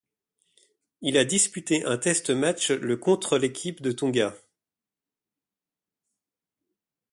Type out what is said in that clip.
Il a disputé un test match le contre l'équipe de Tonga.